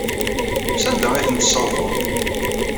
Sanda ay ten-tessawḍem?